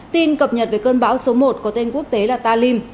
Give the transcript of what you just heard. tin cập nhật về cơn bão số một có tên quốc tế là talim